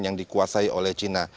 yang dikuasai oleh cina